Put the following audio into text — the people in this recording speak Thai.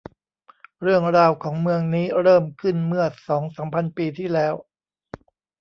เรื่องราวของเมืองนี้เริ่มขึ้นเมื่อสองสามพันปีที่แล้ว